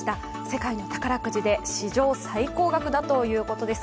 世界の宝くじで史上最高額だということで。